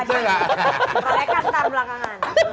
kalaikan ntar belakangan